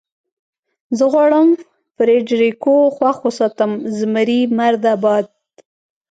زه غواړم فرېډرېکو خوښ وساتم، زمري مرده باد.